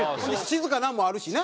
静かなのもあるしね。